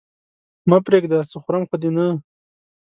مه پرېږده! څه خورم خو دې نه؟